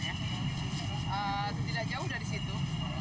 tidak jauh dari situ